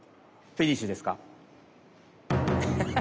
フィニッシュです。